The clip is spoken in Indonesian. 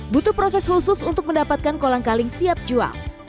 butuh proses khusus untuk mendapatkan kolang kaling siap jual